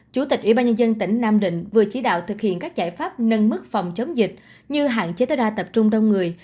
chủ tịch ủy ban nhân dân tỉnh nam định vừa chỉ đạo thực hiện các giải pháp nâng mức phòng chống dịch như hạn chế tối đa tập trung đông người